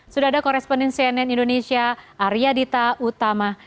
sudah ada koresponden cnn indonesia arya dita utama